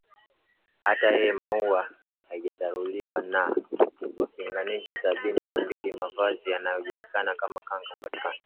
hata yenye maua haidharauliwi na wapiganaji Sabini na mbili Mavazi yanayojulikana kama kanga hupatikana